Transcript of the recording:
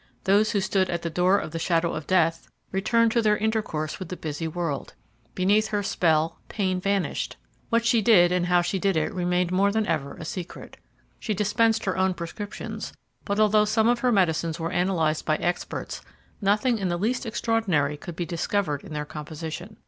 Those who stood at the door of the Shadow of Death returned to their intercourse with the busy world. Beneath her spell pain vanished. What she did and how she did it remained more than ever a secret. She dispensed her own prescriptions, but although some of her medicines were analyzed by experts, nothing in the least extraordinary could be discovered in their composition.